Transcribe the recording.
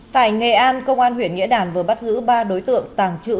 tại nghệ an công an huyện nghĩa đàn vừa bắt giữ ba đối tượng tàng trữ